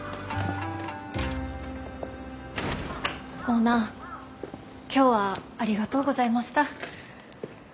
オーナー今日はありがとうございました。